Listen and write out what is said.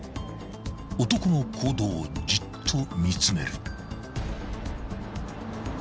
［男の行動をじっと見つめる］